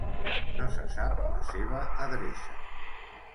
No se sap la seva adreça.